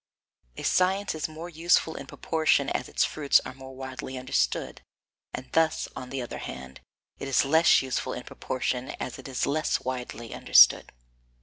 A science is more useful in proportion as its fruits are more widely understood, and thus, on the other hand, it is less useful in proportion as it is less widely understood.